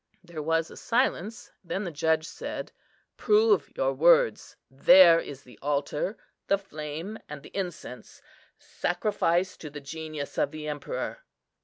There was a silence; then the judge said, "Prove your words; there is the altar, the flame, and the incense; sacrifice to the genius of the Emperor."